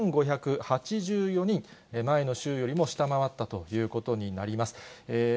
２５８４人、前の週よりも下回ったということになります。